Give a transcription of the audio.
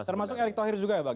termasuk erick thohir juga ya bang